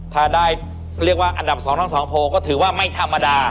ถ้าได้เรียกว่าอันดับ๒ทั้งสองโพลก็ถือว่าไม่ธรรมดา